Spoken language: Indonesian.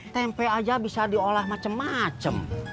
tempe aja bisa diolah macem macem